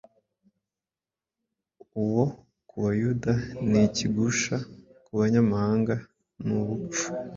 uwo ku Bayuda ni ikigusha, ku banyamahanga ni ubupfu.”